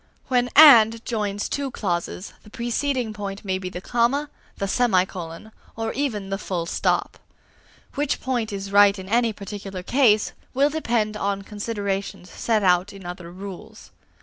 When "and" joins two clauses, the preceding point may be the comma, the semicolon, or even the full stop. Which point is right in any particular case, will depend upon considerations set out in other rules.